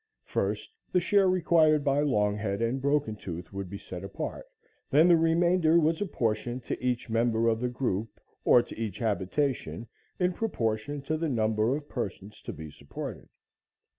First the share required by Longhead and Broken Tooth would be set apart, then the remainder was apportioned to each member of the group or to each habitation in proportion to the number of persons to be supported.